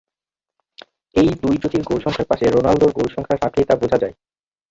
এই দুই জুটির গোলসংখ্যার পাশে রোনালদোর গোলসংখ্যা রাখলেই তা বোঝা যায়।